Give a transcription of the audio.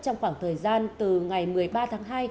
trong khoảng thời gian từ ngày một mươi ba tháng hai